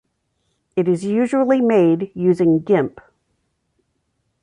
It is usually made using gimp.